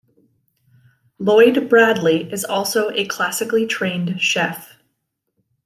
Lloyd Bradley is also a classically trained chef.